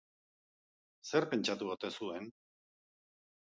Zer pentsatu ote zuen?